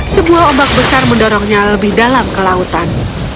sebuah ombak besar mendorongnya lebih dalam ke lautan